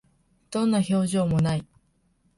どんな表情も無い